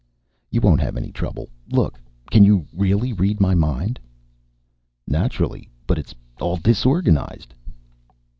"You won't have any trouble. Look, can you really read my mind?" "Naturally. But it's all disorganized."